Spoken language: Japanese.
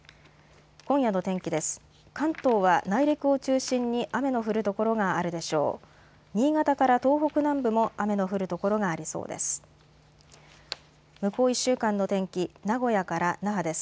今夜の天気です。